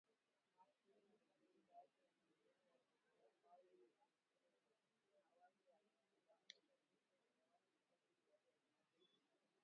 Mafuriko katika baadhi ya maeneo ya Bugisu, Mbale na Kapchorwa awali yalisababisha vifo vya watu kumi siku ya Jumapili